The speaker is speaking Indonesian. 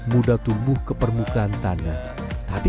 mudah tumbuh ke permukaan tanah tapi